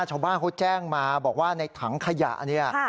ชาวบ้านเขาแจ้งมาบอกว่าในถังขยะเนี่ย